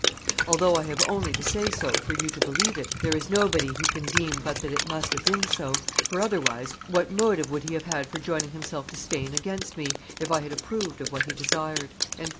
Although I have only to say so for you to believe it, there is nobody who can deem but that it must have been so; for, otherwise, what motive would he have had for joining himself to Spain against me, if I had approved of what he desired?"